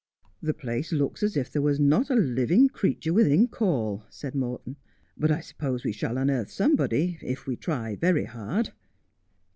' The place looks as if there was not a living creature within call,' said Morton ;' but I suppose we shall unearth somebody if we try very hard.'